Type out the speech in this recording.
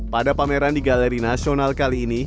pada pameran di galeri nasional kali ini